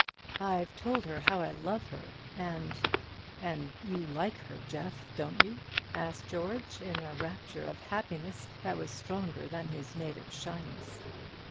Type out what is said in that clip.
"I've told her how I love her; and and you like her, Jeff, don't you?" asked George, in a rapture of happiness that was stronger than his native shyness.